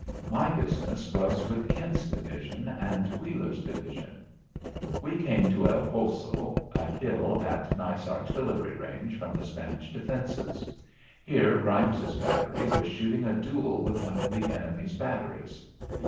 My business was with Kent's division and Wheeler's division. We came to El Poso a hill at nice artillery range from the Spanish defences. Here Grimes's battery was shooting a duel with one of the enemy's batteries.